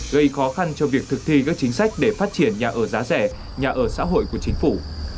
gây khó khăn cho việc thực thi các chính sách để phát triển nhà ở giá rẻ nhà ở xã hội của chính phủ